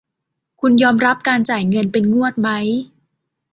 คุณยอมรับการจ่ายเงินเป็นงวดมั้ย ?